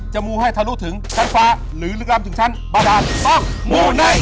จะมูลให้ทะลุถึงชั้นฟ้าหรือลึกลำถึงชั้นบรรทรมูลไนท์